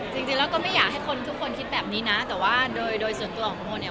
จริงแล้วก็ไม่อยากให้คนทุกคนคิดแบบนี้นะแต่ว่าโดยโดยส่วนตัวของโมเนี่ย